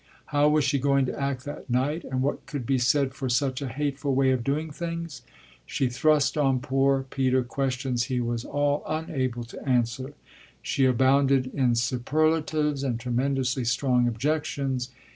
How was she going to act that night and what could be said for such a hateful way of doing things? She thrust on poor Peter questions he was all unable to answer; she abounded in superlatives and tremendously strong objections.